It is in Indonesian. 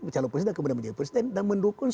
calon presiden kemudian menjadi presiden dan mendukung